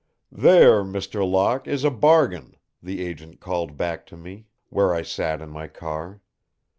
"There, Mr. Locke, is a bargain," the agent called back to me, where I sat in my car.